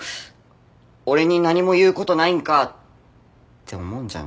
俺に何も言うことないんか！って思うんじゃない？